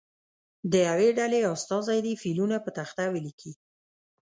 د یوې ډلې استازی دې فعلونه په تخته ولیکي.